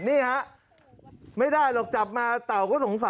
นี่ฮะไม่ได้หรอกจับมาเต่าก็สงสัย